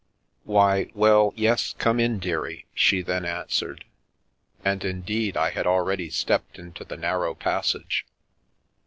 " Why — well, yes, come in, dearie," she then answered, and, indeed, I had already stepped into the narrow passage.